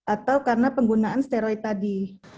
atau karena penggunaan steroid tadi